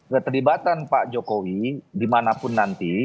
keterlibatan pak jokowi dimanapun nanti